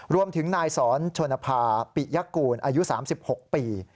รวมถึงนายสอนชนภาปิยกูลอายุ๓๖ปี